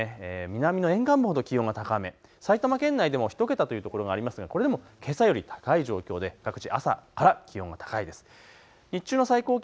南の沿岸部ほど気温が高め、埼玉県内でも１桁という所がありますが、これでもけさより高い状況で各地朝から気温が高いです。